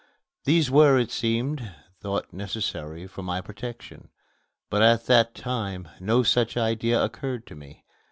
These were, it seems, thought necessary for my protection, but at that time no such idea occurred to me.